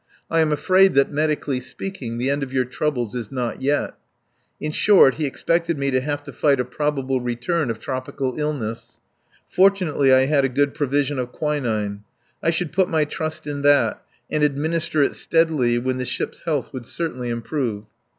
"I am afraid that, medically speaking, the end of your troubles is not yet." In short, he expected me to have to fight a probable return of tropical illness. Fortunately I had a good provision of quinine. I should put my trust in that, and administer it steadily, when the ship's health would certainly improve.